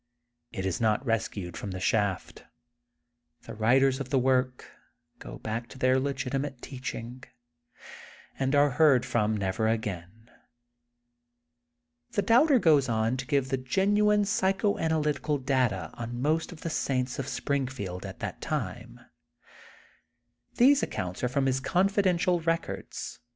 It is not rescued from the shaft. The writ 48 THE GOLDEN BOOK OF SPRINGFIELD ers of the work go back to their legitimate teaching, and are heard from never again. The Doubter goes on to give the genuine psycho analytical data on most of the saints of Springfield at that time. These accounts are from his confidential records.